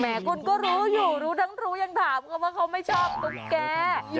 คุณก็รู้อยู่รู้ทั้งรู้ยังถามกันว่าเขาไม่ชอบตุ๊กแก